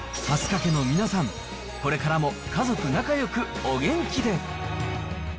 蓮香家の皆さん、これからも家族仲よくお元気で。